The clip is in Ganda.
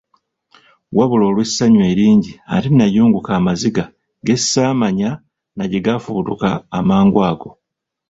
Wabula olw'essanyu eringi ate nayunguka amaziga ge ssaamanya na gye gaafubutuka amangu ago.